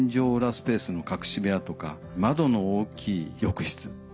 スペースの隠し部屋とか窓の大きい浴室。